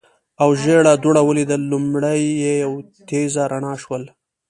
او ژېړه دوړه ولیدل، لومړی یوه تېزه رڼا شول.